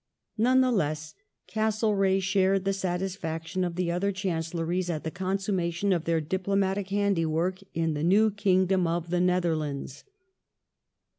None the less, Castlereagh shared the satisfaction of the other Chancelleries at the ^ consummation of their diplomatic handiwork in the new kingdom of the Netherlands.